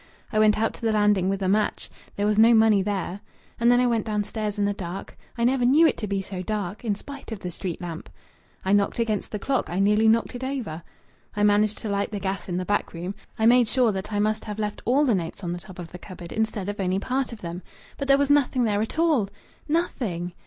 I went out to the landing with a match. There was no money there. And then I went downstairs in the dark. I never knew it to be so dark, in spite of the street lamp. I knocked against the clock. I nearly knocked it over. I managed to light the gas in the back room. I made sure that I must have left all the notes on the top of the cupboard instead of only part of them. But there was nothing there at all. Nothing!